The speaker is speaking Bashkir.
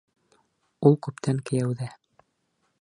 Ул күптән кейәүҙә.